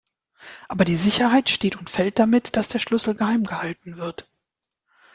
Aber die Sicherheit steht und fällt damit, dass der Schlüssel geheim gehalten wird.